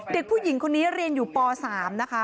เด็กผู้หญิงคนนี้เรียนอยู่ป๓นะคะ